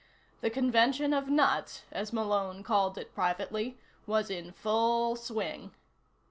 The Convention of Nuts, as Malone called it privately, was in full swing.